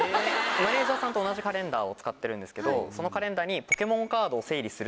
マネジャーさんと同じカレンダーを使ってるんですけどそのカレンダーに。